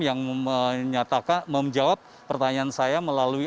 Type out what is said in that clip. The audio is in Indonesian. yang menyatakan menjawab pertanyaan saya melalui